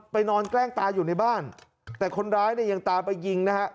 นอนแกล้งตายอยู่ในบ้านแต่คนร้ายเนี่ยยังตามไปยิงนะฮะ